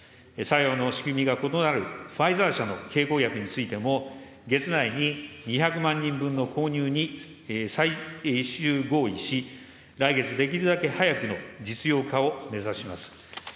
作用の仕組みが異なるファイザー社の経口薬についても月内に２００万人分の購入に最終合意し、来月できるだけ早くの実用化を目指します。